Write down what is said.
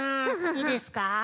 いいですか？